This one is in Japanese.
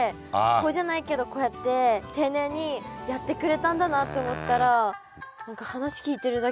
こうじゃないけどこうやって丁寧にやってくれたんだなって思ったら。